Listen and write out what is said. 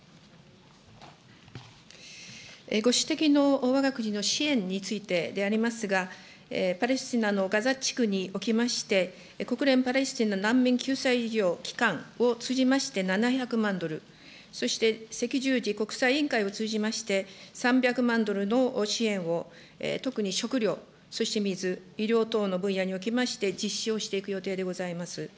ご指摘のわが国の支援についてでありますが、パレスチナのガザ地区に起きまして、国連パレスチナ難民救済医療機関を通じまして７００万ドル、そして赤十字国際委員会を通じまして、３００万ドルの支援を、特に食料、そして水、医療等の分野におきまして実施をしていく予定でございます。